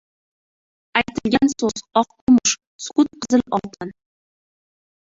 • Aytilgan so‘z ― oq kumush, sukut ― qizil oltin.